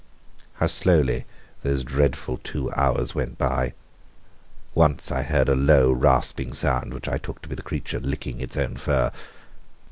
How slowly those dreadful two hours went by! Once I heard a low, rasping sound, which I took to be the creature licking its own fur.